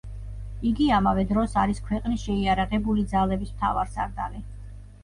იგი ამავე დროს არის ქვეყნის შეიარაღებული ძალების მთავარსარდალი.